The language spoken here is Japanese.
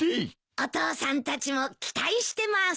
お父さんたちも期待してます。